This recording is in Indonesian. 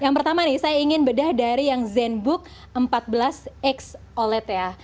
yang pertama nih saya ingin bedah dari yang zenbook empat belas x oled ya